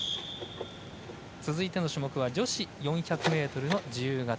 続いての種目は女子４００ｍ自由形。